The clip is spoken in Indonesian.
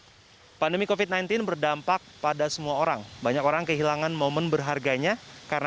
hai pandemi kofit sembilan belas berdampak pada semua orang banyak orang kehilangan momen berharganya karena